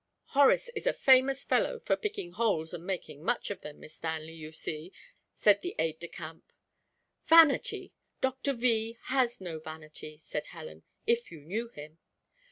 "Horace is a famous fellow for picking holes and making much of them, Miss Stanley, you see," said the aide de camp. "Vanity! Doctor V has no vanity!" said Helen, "if you knew him."